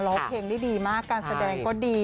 ร้องเพลงได้ดีมากการแสดงก็ดี